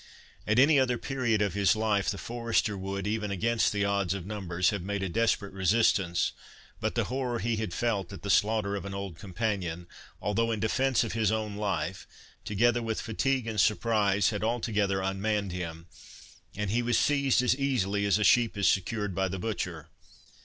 At any other period of his life, the forester would, even against the odds of numbers, have made a desperate resistance; but the horror he had felt at the slaughter of an old companion, although in defence of his own life, together with fatigue and surprise, had altogether unmanned him, and he was seized as easily as a sheep is secured by the butcher.